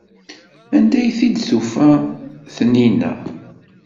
Anda ay t-id-tufa Taninna?